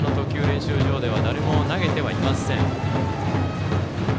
練習場では誰も投げてはいません。